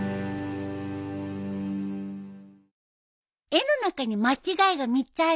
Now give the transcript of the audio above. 絵の中に間違いが３つあるよ。